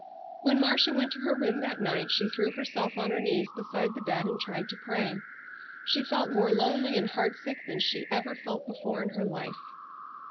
When Marcia went to her room that night she threw herself on her knees beside the bed and tried to pray. She felt more lonely and heartsick than she ever felt before in her life.